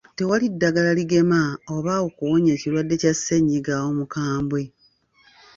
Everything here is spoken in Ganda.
Tewali ddagala ligema oba okuwonya ekirwadde kya ssennyiga omukambwe.